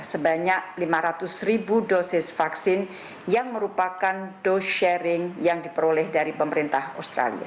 sebanyak lima ratus ribu dosis vaksin yang merupakan dose sharing yang diperoleh dari pemerintah australia